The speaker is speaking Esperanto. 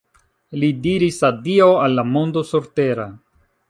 Li diris adiaŭ al la mondo surtera.